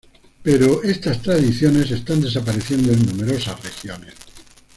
Pero estas tradiciones están desapareciendo en numerosas regiones.